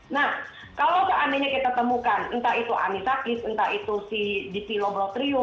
nah kalau keanehnya kita temukan entah itu anisakis entah itu si dipiloblotrius